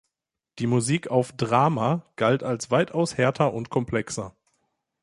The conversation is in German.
Die Musik auf "Drama" galt als weitaus härter und komplexer.